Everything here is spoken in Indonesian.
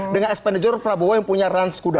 dengan expenditure prabowo yang punya rans kuda